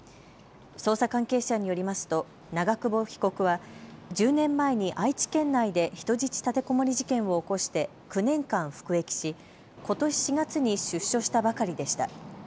捜査関係者によりますと長久保被告は１０年前に愛知県内で人質立てこもり事件を起こして９年間服役しことし４月に出所したばかりでした。